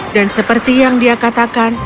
dan seperti yang dia katakan